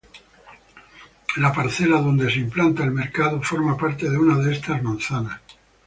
La parcela donde se implanta el mercado forma parte de una de estas manzanas.